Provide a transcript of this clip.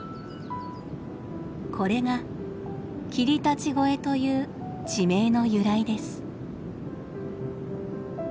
これが「霧立越」という地名の由来です。